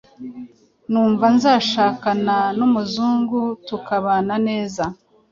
Numva nzashakana numuzungu tukabana neza.